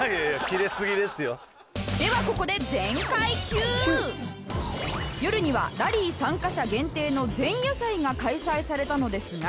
ではここで夜にはラリー参加者限定の前夜祭が開催されたのですが